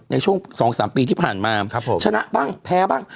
ในช่วง๒๓ปีที่ผ่านมาชนะบ้างแพ้บ้าง